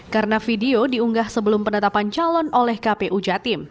karena video diunggah sebelum penetapan calon oleh kpu jatim